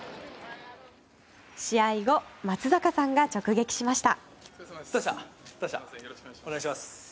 試合後、松坂さんが直撃しました。